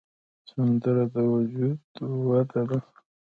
سندره د وجد وده ده